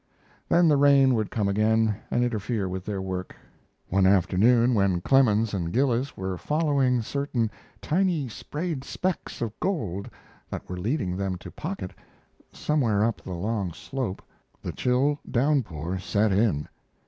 Then the rain would come again and interfere with their work. One afternoon, when Clemens and Gillis were following certain tiny sprayed specks of gold that were leading them to pocket somewhere up the long slope, the chill downpour set in.